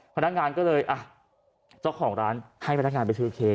พนักงานก็เลยอ่ะเจ้าของร้านให้พนักงานไปซื้อเค้ก